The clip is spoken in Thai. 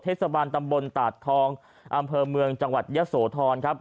เทศบาลตำบลตาดทองอำเภอเมืองจังหวัดยะโสธรครับ